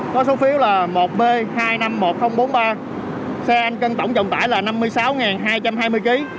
có số phiếu là một b hai trăm năm mươi một nghìn bốn mươi ba sen tổng trọng tải là năm mươi sáu hai trăm hai mươi kg